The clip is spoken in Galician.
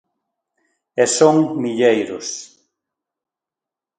E son milleiros.